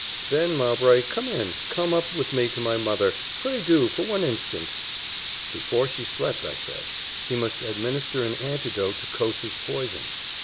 "Then, Mowbray, come in come up with me to my mother, pray do, for one instant." Before she slept, I said, he must administer an antidote to Coates's poison.